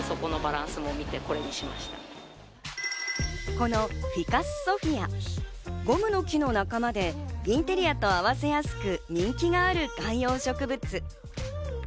このフィカスソフィア、ゴムの木の仲間でインテリアと合わせやすく、人気がある観葉植物。